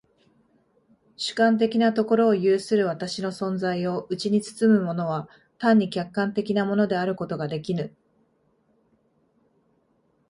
主観的なところを有する私の存在をうちに包むものは単に客観的なものであることができぬ。